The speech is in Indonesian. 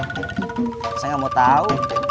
saya enggak mau tahu